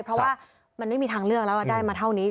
เพราะว่ามันไม่มีทางเลือกแล้วได้มาเท่านี้